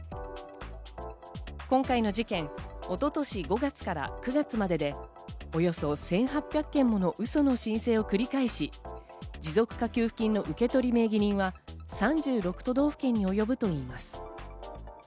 今回の事件、一昨年５月から９月までで、およそ１８００件ものウソの申請を繰り返し、持続化給付金の受け取り名義人は３６都道府県に及ぶといいます。